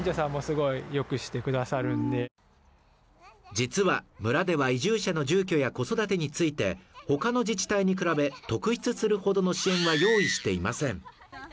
実は村では移住者の住居や子育てについて、他の自治体に比べ、特筆するほどの支援は用意していません。